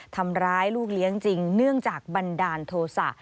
ทำร้ายลูกเลี้ยงจริงเนื่องจากบันดาลโทษะ